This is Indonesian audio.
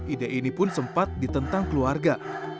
ide ini pun sempat ditentang keluarga